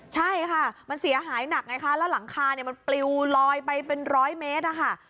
ใช่ค่ะมันเสียหายหนักไงคะแล้วหลังคาเนี่ยมันปลิวลอยไปเป็นร้อยเมตรนะคะ